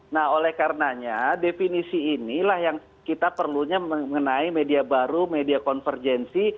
nah oleh karenanya definisi inilah yang kita perlunya mengenai media baru media konvergensi